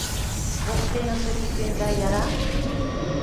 — Воктенысе пӱкенда яра?